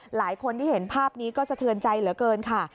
หลายคนที่เห็นภาพนี้ก็สะเทือนใจเหลือเกินค่ะ